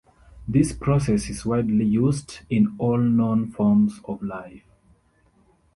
This process is widely used in all known forms of life.